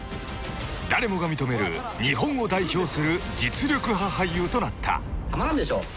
［誰もが認める日本を代表する実力派俳優となった］